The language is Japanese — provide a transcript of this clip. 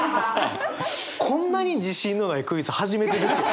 こんなに自信のないクイズ初めてですよ。